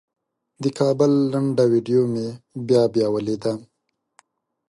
د کابل لنډه ویډیو مې بیا بیا ولیده.